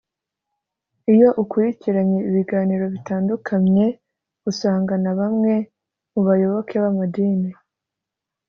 Iyo ukurikiranye ibiganiro bitandukamye usangana bamwe mu bayoboke b’amadini